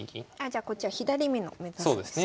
じゃあこっちは左美濃目指すんですね。